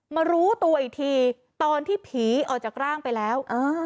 มารู้ตัวอีกทีตอนที่ผีออกจากร่างไปแล้ว